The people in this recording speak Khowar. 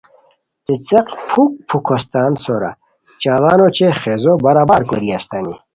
څیڅیق پُھک پُھک ہوستان سورا چاڑان اوچے خازو برابر کوری استانی